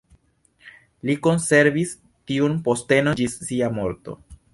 Li konservis tiun postenon ĝis sia morto.